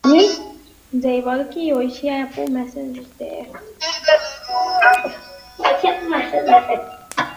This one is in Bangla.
প্রাথমিক পড়াশোনা আগ্রা ও বাঁকুড়া জেলা স্কুলে।